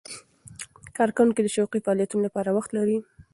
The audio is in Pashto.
کارکوونکي د شوقي فعالیتونو لپاره وخت لري.